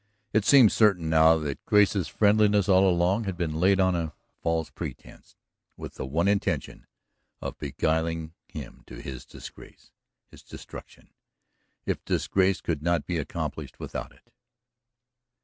It seemed certain now that Grace's friendliness all along had been laid on a false pretense, with the one intention of beguiling him to his disgrace, his destruction, if disgrace could not be accomplished without it.